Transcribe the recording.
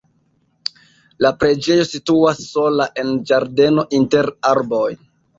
La preĝejo situas sola en ĝardeno inter arboj.